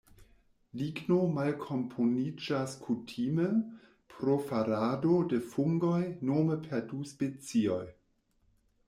Ligno malkomponiĝas kutime pro farado de fungoj, nome per du specioj.